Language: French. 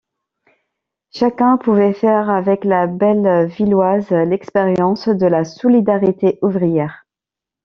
Chacun pouvait faire avec la Bellevilloise l’expérience de la solidarité ouvrière.